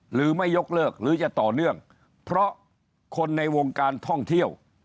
หรือไม่ยกเลิกหรือจะต่อเนื่องเพราะคนในวงการท่องเที่ยว